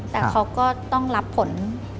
แต่เขาก็ต้องรับผล